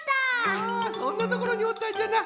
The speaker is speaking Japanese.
あそんなところにおったんじゃな。